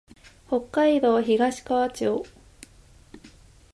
北海道東川町